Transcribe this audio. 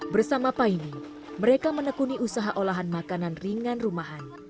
bersama paine mereka menekuni usaha olahan makanan ringan rumahan